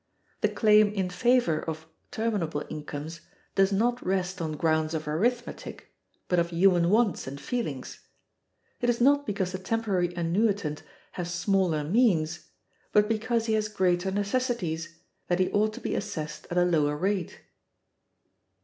The claim in favor of terminable incomes does not rest on grounds of arithmetic, but of human wants and feelings. It is not because the temporary annuitant has smaller means, but because he has greater necessities, that he ought to be assessed at a lower rate.